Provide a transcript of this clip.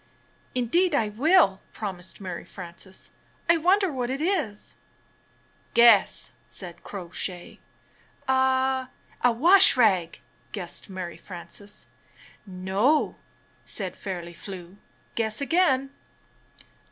"Indeed I will," promised Mary Frances. "I wonder what it is?" "Guess!" said Crow Shay. "A — a. wash rag?" guessed Mary Frances. "No," said Fairly Flew. "Guess again."